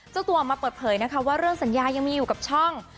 เจ้าตัวออกมาเปิดเผยนะคะว่าเรื่องสัญญายังมีอยู่กับช่อง